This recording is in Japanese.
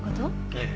ええ。